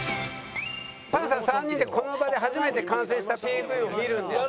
パンサー３人でこの場で初めて完成したＰＶを見るんですが。